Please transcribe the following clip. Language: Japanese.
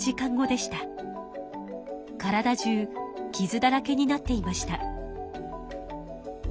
体中きずだらけになっていました。